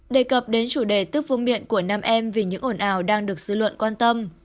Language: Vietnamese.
đề cập đến chủ đề tức vương miện của nam em vì những ổn ào đang được sử luận quan tâm